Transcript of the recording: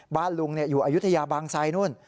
บ้านลุงเนี่ยอยู่อยุธยาบางไซน์นู้น